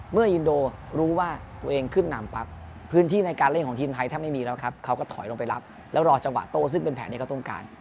อินโดรู้ว่าตัวเองขึ้นนำปั๊บพื้นที่ในการเล่นของทีมไทยถ้าไม่มีแล้วครับเขาก็ถอยลงไปรับแล้วรอจังหวะโต้ซึ่งเป็นแผนที่เขาต้องการ